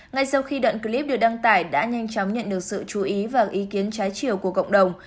ngay sau khi đoạn clip được đăng tải đã nhanh chóng nhận được sự chú ý và ý kiến trái chiều của cộng đồng